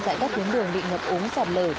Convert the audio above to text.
dạy các tuyến đường bị ngập úng sạt lở